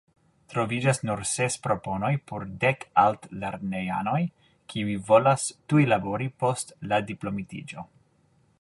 Troviĝas nur ses proponoj por dek altlernejanoj, kiuj volas tuj labori post la diplomitiĝo.